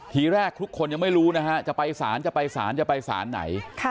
ทีแรกทุกคนยังไม่รู้นะฮะจะไปสารจะไปสารจะไปสารไหน